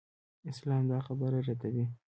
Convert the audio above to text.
اسلام دا خبره ردوي.